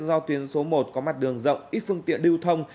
do tuyến số một có mặt đường rộng ít phương tiện lưu thông